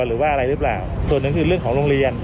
หรือว่าอะไรหรือเปล่าส่วนหนึ่งคือเรื่องของโรงเรียน